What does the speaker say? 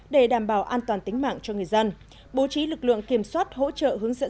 để đảm bảo an toàn tính mạng cho người dân bố trí lực lượng kiểm soát hỗ trợ hướng dẫn